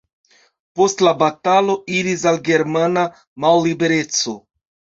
Post la batalo iris al germana mallibereco.